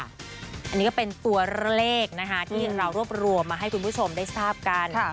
อันนี้ก็เป็นตัวเลขนะคะที่เรารวบรวมมาให้คุณผู้ชมได้ทราบกัน